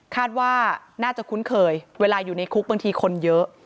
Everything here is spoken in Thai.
คาดว่าน่าจะคุ้นเคยเวลาอยู่ในคุกบางทีคนเยอะ